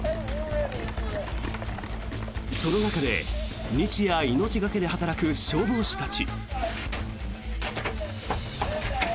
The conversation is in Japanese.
その中で日夜命懸けで働く消防士たち。